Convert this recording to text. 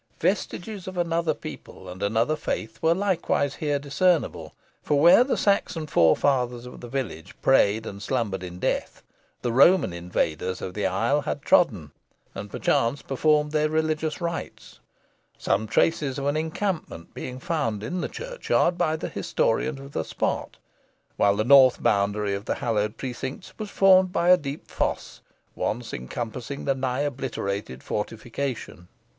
Vestiges of another people and another faith were likewise here discernible, for where the Saxon forefathers of the village prayed and slumbered in death, the Roman invaders of the isle had trodden, and perchance performed their religious rites; some traces of an encampment being found in the churchyard by the historian of the spot, while the north boundary of the hallowed precincts was formed by a deep foss, once encompassing the nigh obliterated fortification.